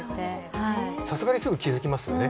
さすがに、すぐ気づきますよね？